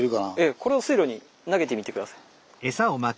これを水路に投げてみて下さい。